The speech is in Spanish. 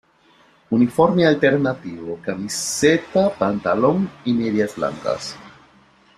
Uniforme alternativo: Camiseta, pantalón y medias blancas.